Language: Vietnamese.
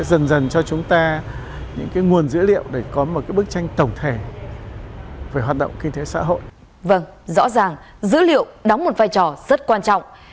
vâng rõ ràng dữ liệu đóng một vai trò rất quan trọng